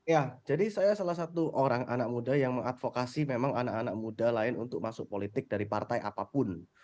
ya jadi saya salah satu orang anak muda yang mengadvokasi memang anak anak muda lain untuk masuk politik dari partai apapun